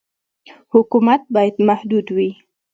حکومت باید محدود وي.